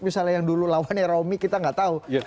misalnya yang dulu lawannya romy kita nggak tahu